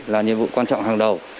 là nhiệm vụ quan trọng hàng đầu